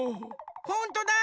ほんとだ！